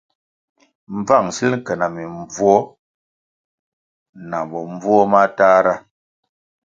Mbvang sil ke na mimbvuo na bombvuo matahra.